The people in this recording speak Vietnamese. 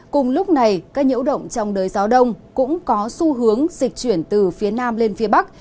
cùng lúc này các nhiễu động trong đới gió đông cũng có xu hướng dịch chuyển từ phía nam lên phía bắc